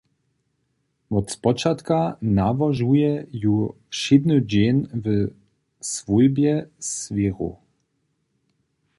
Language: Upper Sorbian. Wot spočatka nałožuje ju wšědny dźeń w swójbje swěru.